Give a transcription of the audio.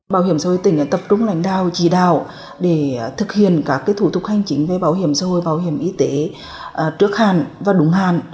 bảo hiểm xã hội tỉnh đã tập trung lãnh đạo chỉ đạo để thực hiện các thủ tục hành chính về bảo hiểm xã hội bảo hiểm y tế trước hàn và đúng hàn